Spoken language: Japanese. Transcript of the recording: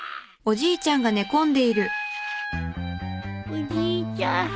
おじいちゃん。